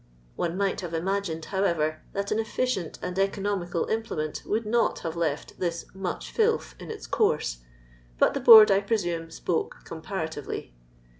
One might have ima gined, however, that an efficient and economical implement would not have left this "much filth" in its course ; but the Board, I presume, spoke comparatively.